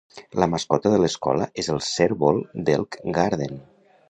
La mascota de l'escola és el cérvol d'Elk Garden.